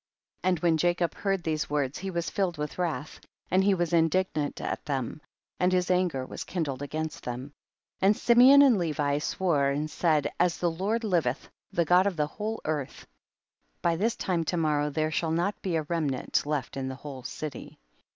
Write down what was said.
22. And when Jacob heard these words he was filled with wrath, and he was indignant at them, and his an ger was kindled against them. 23. And Simeon and Levi swore and said, as the Lord Hveth, the God of the whole earth, by this time to morrow, there shall not be a remnant left in the whole city'.